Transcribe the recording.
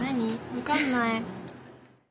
わかんない。